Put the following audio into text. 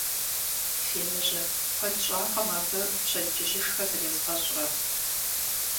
Фемыжьэ, куэд щӀакъым абы пщэдджыжьышхэ зэрезгъэщӀрэ.